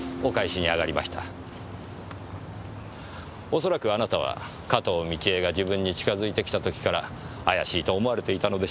恐らくあなたは加東倫恵が自分に近づいてきた時から怪しいと思われていたのでしょう。